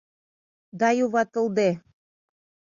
Да юватылде.